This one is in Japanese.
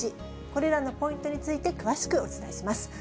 これらのポイントについて詳しくお伝えします。